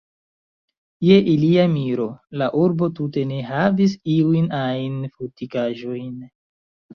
Je ilia miro, la urbo tute ne havis iujn ajn fortikaĵojn.